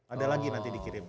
ada lagi nanti dikirim